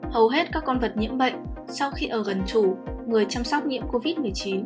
hầu hết các con vật nhiễm bệnh sau khi ở gần chủ người chăm sóc nghiệm covid một mươi chín